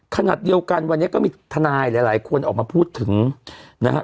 ขนาดเดียวกันวันนี้ก็มีทนายหลายคนออกมาพูดถึงนะครับ